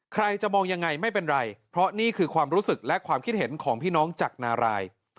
ใครจะมองยังไงไม่เป็นไรเพราะนี่คือความรู้สึกและความคิดเห็นของพี่น้องจากนาราย